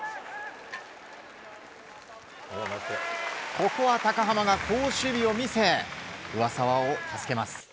ここは高濱が好守備を見せ上沢を助けます。